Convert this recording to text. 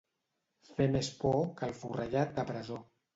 Fer més por que el forrellat de presó.